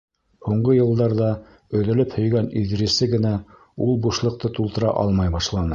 Һуңғы йылдарҙа өҙөлөп һөйгән Иҙрисе генә ул бушлыҡты тултыра алмай башланы.